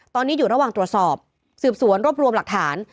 ตอนนี้อยู่ระหว่างตรวจสอบสืบสวนรวบรวมหลักฐาน